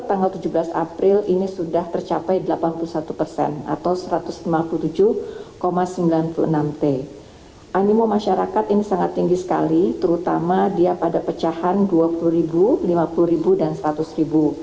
animo masyarakat terhadap penukaran uang tahun ini sangat tinggi terutama pada pecahan rp dua puluh rp lima puluh dan rp seratus